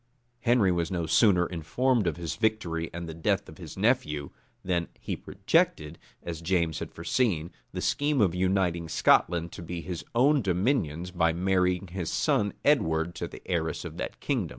[*] {1543.} Henry was no sooner informed of his victory and of the death of his nephew, than he projected, as James had foreseen, the scheme of uniting Scotland to his own dominions by marrying his son Edward to the heiress of that kingdom.